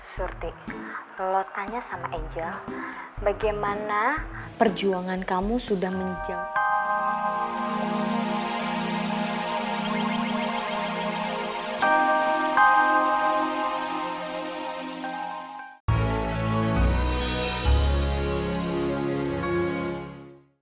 surti lo tanya sama angel bagaimana perjuangan kamu sudah menjauh